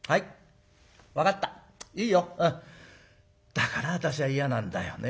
だから私は嫌なんだよね。